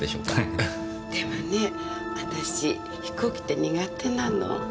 でもね私飛行機って苦手なの。